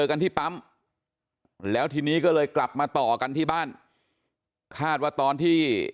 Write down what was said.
กันที่ปั๊มแล้วทีนี้ก็เลยกลับมาต่อกันที่บ้านคาดว่าตอนที่